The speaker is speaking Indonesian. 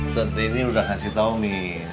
centini udah ngasih tahu mi